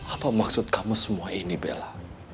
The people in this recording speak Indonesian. apa maksud kamu semua ini bella